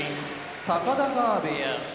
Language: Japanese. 高田川部屋